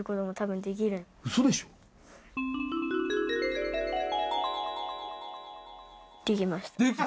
できました。